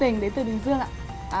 dạ trần duy tình đến từ bình dương ạ